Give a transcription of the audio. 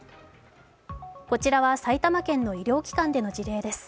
こちらは埼玉県の医療機関での事例です。